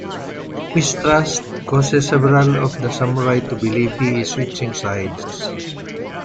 Mistrust causes several of the samurai to believe he is switching sides.